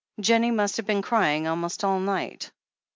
"Jennie must have been crying almost all night."